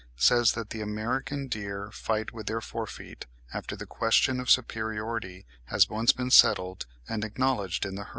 9) says that the American deer fight with their fore feet, after "the question of superiority has been once settled and acknowledged in the herd."